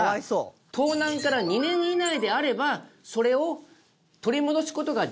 盗難から２年以内であればそれを取り戻す事ができますと。